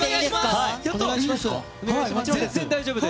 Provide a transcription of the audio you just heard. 全然、大丈夫です。